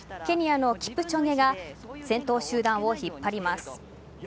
ケニアのキプチョゲが先頭集団を引っ張ります。